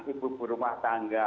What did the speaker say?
ibu ibu rumah tangga